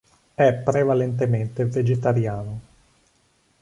È prevalentemente vegetariano.